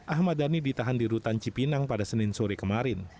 ahmad dhani ditahan di rutan cipinang pada senin sore kemarin